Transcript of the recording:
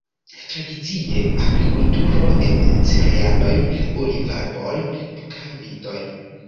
Tradicie agrikulturo de cerealoj, olivarboj kaj vitoj.